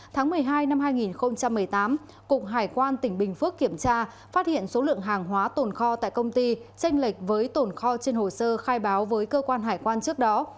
tháng một mươi hai năm hai nghìn một mươi tám cục hải quan tỉnh bình phước kiểm tra phát hiện số lượng hàng hóa tồn kho tại công ty tranh lệch với tồn kho trên hồ sơ khai báo với cơ quan hải quan trước đó